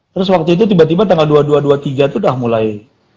terus waktu itu tiba tiba tanggal dua puluh dua dua puluh tiga itu udah mulai